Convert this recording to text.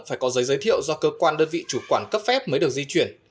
phải có giấy giới thiệu do cơ quan đơn vị chủ quản cấp phép mới được di chuyển